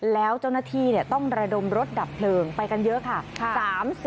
แล้วเจ้าหน้าที่ต้องระดมรถดับเพลิงไปกันเยอะค่ะ